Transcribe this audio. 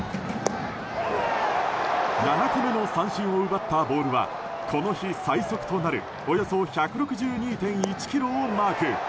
７個目の三振を奪ったボールはこの日最速となるおよそ１６２．１キロをマーク。